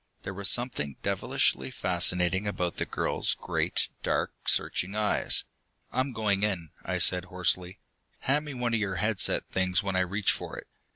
There was something devilishly fascinating about the girl's great, dark, searching eyes. "I'm going in," I said hoarsely. "Hand me one of your head set things when I reach for it."